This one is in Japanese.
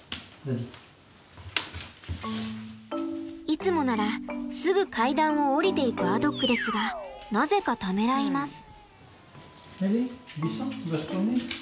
いつもならすぐ階段を下りていくアドックですがなぜかためらいます。